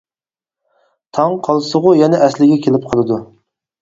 تاڭ قالسىغۇ يەنە ئەسلىگە كېلىپ قالىدۇ.